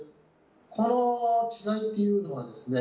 この違いっていうのはですね